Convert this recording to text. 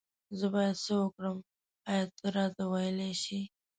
زه بايد سه وکړم آيا ته راته ويلي شي